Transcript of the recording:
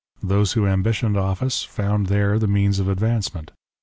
Those who ambitioned office found there the means of advancement.